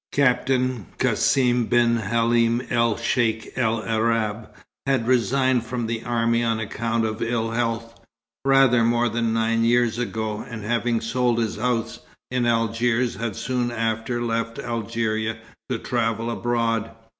Captain Cassim ben Halim el Cheik el Arab, had resigned from the army on account of ill health, rather more than nine years ago, and having sold his house in Algiers had soon after left Algeria to travel abroad.